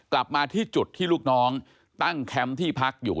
กลับมาที่จุดที่ลูกน้องตั้งแคมป์ที่พักอยู่